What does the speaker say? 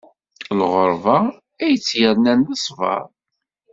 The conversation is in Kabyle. Lɣeṛba, ay tt-irnan d ṣṣbeṛ.